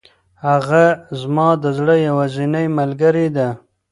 هغه زما د زړه یوازینۍ ملګرې ده.